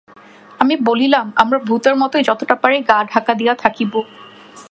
আমি বলিলাম, আমরা ভূতের মতোই যতটা পারি গা-ঢাকা দিয়া থাকিব।